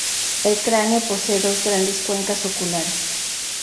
El cráneo posee dos grandes cuencas oculares.